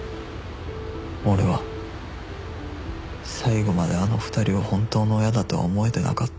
俺は最後まであの２人を本当の親だとは思えてなかった